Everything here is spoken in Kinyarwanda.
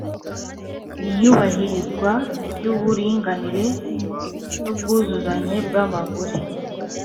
Iyubahirizwa Ry Uburinganire N Ubwuzuzanye Bw Abagore